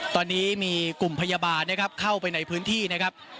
ตอนนี้มีกลุ่มพยาบาลนะครับเข้าไปในพื้นที่นะครับ